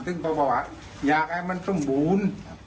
ตั้งประวัติอยากให้มันสมบูรณ์